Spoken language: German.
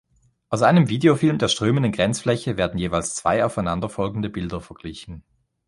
Aus einem Videofilm der strömenden Grenzfläche werden jeweils zwei aufeinanderfolgende Bilder verglichen.